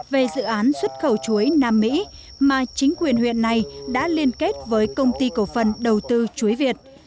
về dự án xuất khẩu chuối nam mỹ mà chính quyền huyện này đã liên kết với công ty cổ phần đầu tư chuối việt